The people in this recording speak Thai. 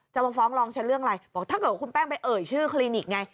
จะมาฟ้องรองฉันเรื่องอะไรบอกถ้าเกิดว่าคุณแป้งไปเอ่ยชื่อคลินิกไง